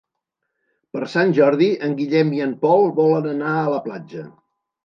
Per Sant Jordi en Guillem i en Pol volen anar a la platja.